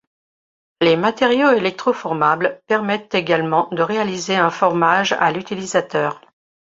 Les matériaux électroformables permettent également de réaliser un formage à l'utilisateur.